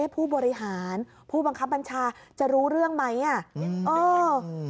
ผู้บริหารผู้บังคับบัญชาจะรู้เรื่องไหมอ่ะเออ